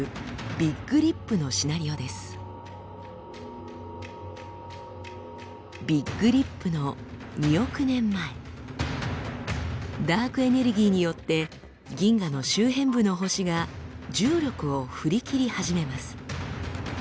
ビッグリップの２億年前ダークエネルギーによって銀河の周辺部の星が重力を振り切り始めます。